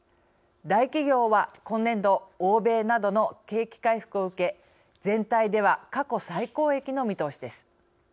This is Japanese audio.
大企業は、今年度欧米などの景気回復を受け全体では過去最高益の見通しです。